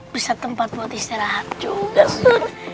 bisa tempat buat istirahat juga sun